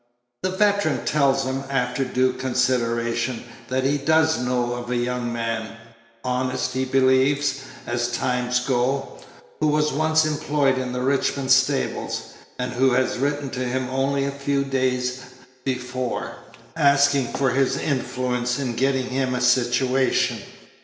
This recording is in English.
The veteran tells him, after due consideration, that he does know of a young man honest, he believes, as times go who was once employed in the Richmond stables, and who had written to him only a few days before, asking for his influence in getting him a situation.